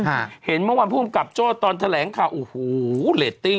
ค่ะเห็นเมื่อวันภูมิกับโจ้ตอนแถลงข่าวอู๋หูเรตติ้ง